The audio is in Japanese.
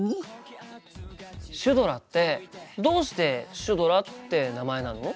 シュドラってどうしてシュドラって名前なの？